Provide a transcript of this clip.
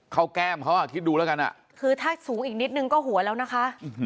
แก้มเขาอ่ะคิดดูแล้วกันอ่ะคือถ้าสูงอีกนิดนึงก็หัวแล้วนะคะ